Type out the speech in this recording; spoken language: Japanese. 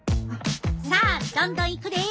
さあどんどんいくで！